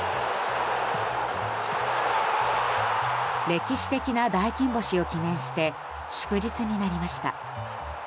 歴史的な大金星を記念して祝日になりました。